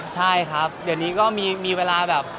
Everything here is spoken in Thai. ใช่ครับเดี๋ยวนี้ก็มีเวลาแบบ